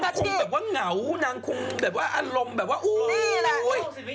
นางคุงแบบว่างเงานางคุงแบบว่าอารมณ์แบบว่าอู้วววว